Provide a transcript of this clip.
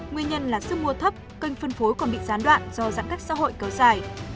nguyên nhân là sức mua thấp kênh phân phối còn bị gián đoạn do giãn cách xã hội kéo dài